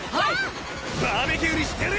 バーベキューにしてやれ！